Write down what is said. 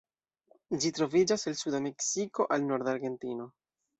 Ĝi troviĝas el suda Meksiko al norda Argentino.